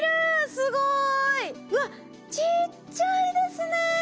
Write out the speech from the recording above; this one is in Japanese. すごい。うわちっちゃいですね。